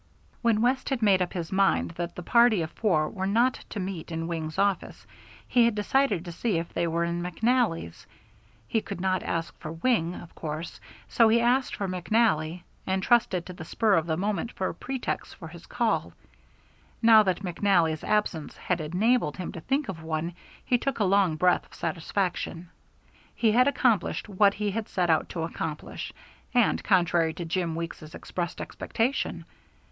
When West had made up his mind that the party of four were not to meet in Wing's office, he had decided to see if they were in McNally's. He could not ask for Wing, of course, so he asked for McNally and trusted to the spur of the moment for a pretext for his call. Now that McNally's absence had enabled him to think of one he took a long breath of satisfaction. He had accomplished what he had set out to accomplish, and contrary to Jim Weeks's expressed expectation.